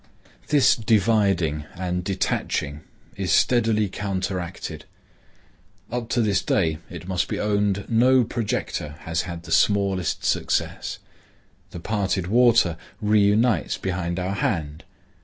This dividing and detaching is steadily counteracted. Up to this day it must be owned no projector has had the smallest success. The parted water reunites behind our hand.